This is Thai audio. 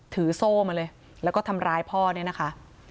โซ่มาเลยแล้วก็ทำร้ายพ่อเนี่ยนะคะ